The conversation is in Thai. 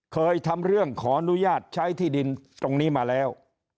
เคยทำเรื่องขออนุญาตใช้ที่ดินตรงนี้มาแล้ว